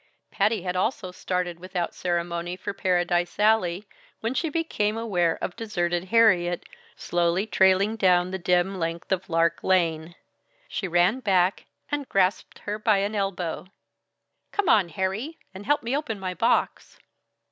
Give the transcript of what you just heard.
Patty had also started without ceremony for Paradise Alley, when she became aware of deserted Harriet, slowly trailing down the dim length of Lark Lane. She ran back and grasped her by an elbow. "Come on, Harry! And help me open my box."